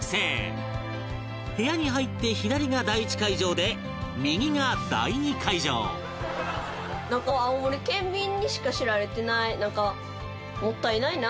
部屋に入って左が第一会場で右が第二会場なんか青森県民にしか知られてないなんかもったいないなって思ってて。